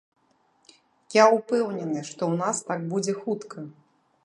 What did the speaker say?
Я ўпэўнены, што ў нас так будзе хутка.